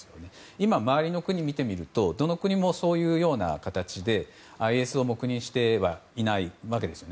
今周りの国見てもどの国もそういうような形でＩＳを黙認してはいないわけですよね。